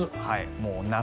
夏。